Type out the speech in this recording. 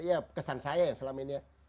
iya kesan saya ya selama ini ya